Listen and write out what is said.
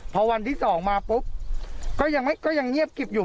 พอวันที่๒มาปุ๊บก็ยังเงียบกิบอยู่